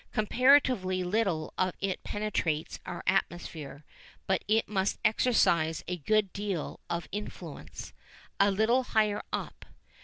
Comparatively little of it penetrates our atmosphere, but it must exercise a good deal of influence a little higher up.